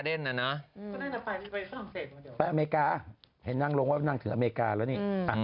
เห็นนั่งลงว่านั่งถึงอเมริกาแล้วนี่